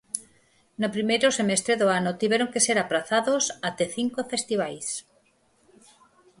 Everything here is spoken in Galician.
No primeiro semestre do ano tiveron que ser aprazados até cinco festivais.